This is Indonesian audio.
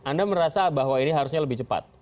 anda merasa bahwa ini harusnya lebih cepat